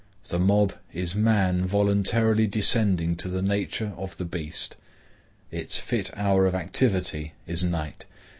The mob is man voluntarily descending to the nature of the beast. Its fit hour of activity is night.